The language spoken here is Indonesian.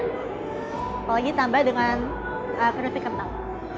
apalagi ditambah dengan kerupuk kentang